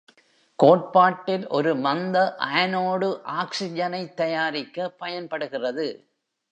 கோட்பாட்டில் ஒரு மந்த ஆனோடு ஆக்சிஜனைத் தயாரிக்க பயன்படுகிறது.